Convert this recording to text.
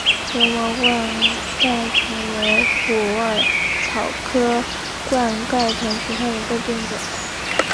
柔毛冠盖藤为虎耳草科冠盖藤属下的一个变种。